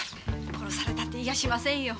殺されたって言いやしませんよ。